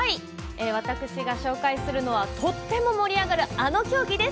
私が紹介するのはとっても盛り上がるあの競技です。